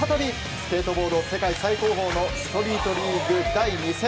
スケートボード世界最高峰のストリートリーグ第２戦。